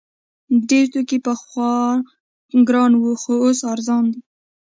ډیر توکي پخوا ګران وو خو اوس ارزانه دي.